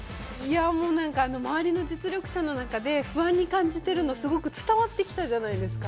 もう何か、周りの実力者の中で不安に感じているの、すごく伝わってきたじゃないですか？